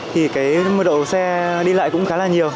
thì cái mưa đậu xe đi lại cũng khá là nhiều